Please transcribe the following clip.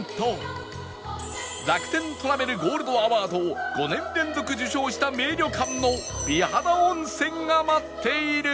楽天トラベルゴールドアワードを５年連続受賞した名旅館の美肌温泉が待っている